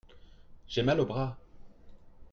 J'ai mal au bras.